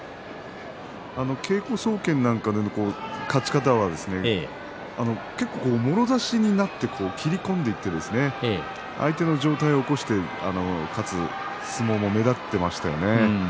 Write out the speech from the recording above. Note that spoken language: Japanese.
稽古総見などでの勝ち方は結構もろ差しになって切り込んでいって相手の上体を起こして勝つ相撲も目立っていましたね。